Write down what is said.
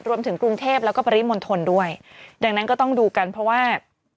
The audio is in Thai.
รวมถึงกรุงเทพแล้วก็ปริมณฑลด้วยดังนั้นก็ต้องดูกันเพราะว่า